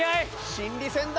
心理戦だ！